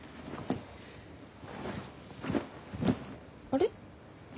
あれ？